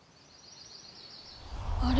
あれ？